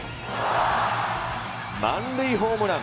満塁ホームラン。